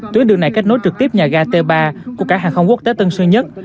tuyến đường này kết nối trực tiếp nhà ga t ba của cảng hàng không quốc tế tân sơn nhất